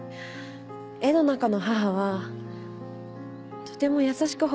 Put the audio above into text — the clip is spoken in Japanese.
絵の中の母はとても優しくほほ笑んでいました。